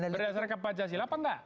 berdasarkan pancasila apa enggak